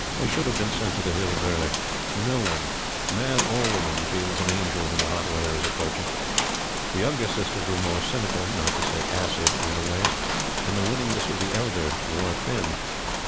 They should have been sent to the Hills early. No one man or woman feels an angel when the hot weather is approaching. The younger sister grew more cynical not to say acid in her ways; and the winningness of the elder wore thin.